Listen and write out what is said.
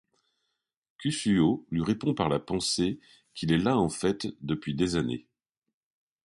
Kusuo lui répond par la pensée qu'il est là en fait depuis des années.